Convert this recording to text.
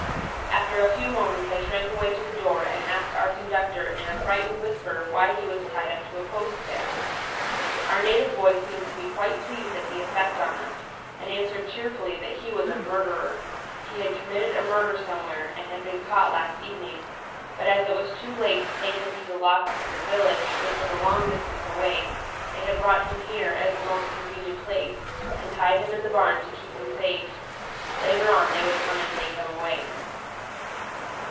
After a few moments I shrank away to the door and asked our conductor in a frightened whisper why he was tied up to a post there. Our native boy seemed to be quite pleased at the effect on us, and answered cheerfully that he was a murderer he had committed a murder somewhere, and had been caught last evening, but as it was too late to take him to the lock up at the village, which was a long distance away, they had brought him here as the most convenient place, and tied him in the barn to keep him safe. Later on they would come and take him away.